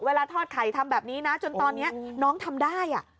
ทอดไข่ทำแบบนี้นะจนตอนนี้น้องทำได้